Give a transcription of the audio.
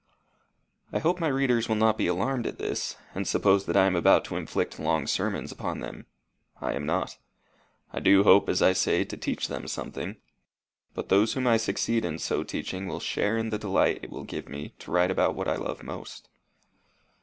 I hope my readers will not be alarmed at this, and suppose that I am about to inflict long sermons upon them. I am not. I do hope, as I say, to teach them something; but those whom I succeed in so teaching will share in the delight it will give me to write about what I love most.